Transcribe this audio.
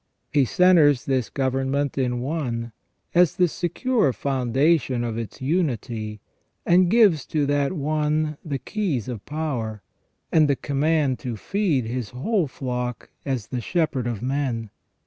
He centres this government in one, as the secure foundation of its unity, and gives to that one the keys of power, and the command to feed His whole flock as the shepherd of men.